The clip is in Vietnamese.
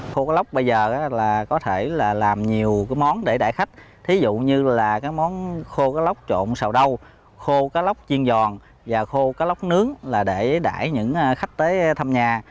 khô lóc bây giờ là có thể là làm nhiều món để đại khách ví dụ như là món khô lóc trộn sầu đâu khô lóc chiên giòn và khô lóc nướng là để đại những khách tới thăm nhà